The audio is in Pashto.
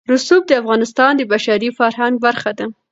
رسوب د افغانستان د بشري فرهنګ برخه ده.